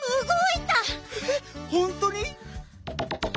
えっほんとに？